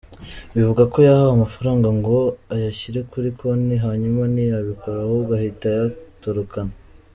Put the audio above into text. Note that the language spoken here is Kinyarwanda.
Bivugwa ko yahawe amafaranga ngo ayashyire kuri konti hanyuma ntiyabikora ahubwo ahita ayatorokana.